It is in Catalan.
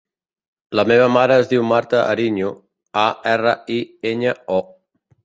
La meva mare es diu Marta Ariño: a, erra, i, enya, o.